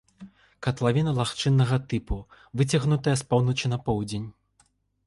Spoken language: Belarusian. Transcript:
Катлавіна лагчыннага тыпу, выцягнутая з поўначы на поўдзень.